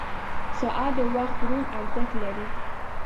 • ساعت د وخت دروند ارزښت لري.